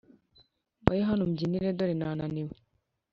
Vayo hano umbyinire dore nananiwe